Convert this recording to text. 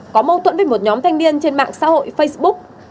có mâu thuẫn với một nhóm thanh niên trên mạng xã hội facebook